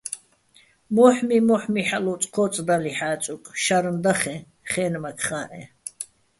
მო́ჰმი-მო́ჰ̦მი ჰ̦ალო̆ ოწჴო́წდალიჼ ჰ̦ა́წუკ, შარნ დახეჼ, ხე́ნმაქ ხა́ჸეჼ.